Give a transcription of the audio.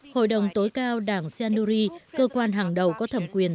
hội đồng tối cao đảng shanuri cơ quan hàng đầu có thẩm quyền